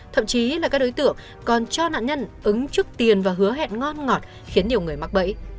thậm chí là các đối tượng còn cho nạn nhân ứng trước tiền và hứa hẹn ngon ngọt khiến nhiều người mắc bẫy